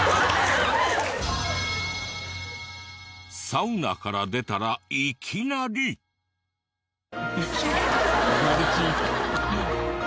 サウナから出たらいきなり！マル珍。